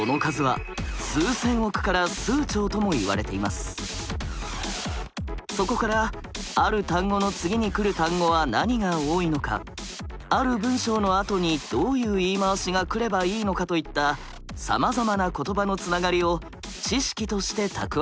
その数はそこからある単語の次に来る単語は何が多いのかある文章のあとにどういう言い回しが来ればいいのかといったさまざまな言葉のつながりを「知識」として蓄えていきます。